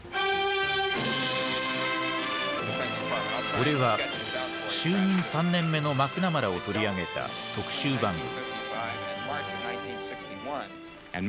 これは就任３年目のマクナマラを取り上げた特集番組。